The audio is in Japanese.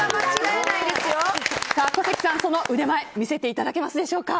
小関さん、その腕前見せていただけますでしょうか。